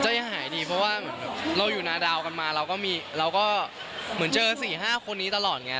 เจ้ายังหายดีเพราะว่าเราอยู่นาดาวกันมาเราก็มีเหมือนเจอสี่ห้าคนนี้ตลอดไง